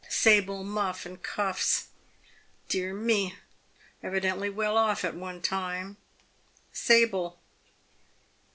1 Sable muff and cuffs.' Dear me ! evidently well off at one time — sable